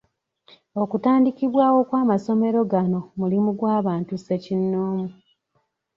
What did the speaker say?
Okutandikibwawo kw’amasomero gano mulimu gw’abantu ssekinnoomu.